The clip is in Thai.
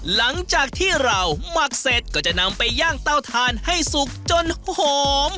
หลังจากที่เราหมักเสร็จก็จะนำไปย่างเต้าทานให้สุกจนหอม